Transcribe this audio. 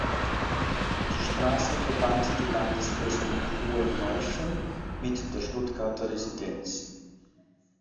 Die Straße verband die Landesfestung Hohenneuffen mit der Stuttgarter Residenz.